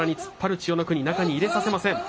千代の国、中に入れさせません。